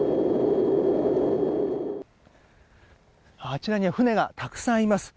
あちらには船がたくさんいます。